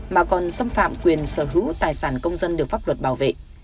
mà còn xâm phạm quyền sở hữu tài sản công dân được pháp luật bảo vệ